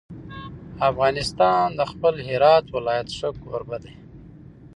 افغانستان د خپل هرات ولایت ښه کوربه دی.